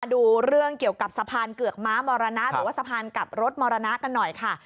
ดูเรื่องเกี่ยวกับสะพานเกือกม้ามรณะหรือว่าสะพานกลับรถมรณะกันหน่อยค่ะ